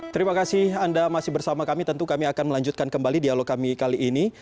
terima kasih anda masih bersama kami tentu kami akan melanjutkan kembali dialog kami kali ini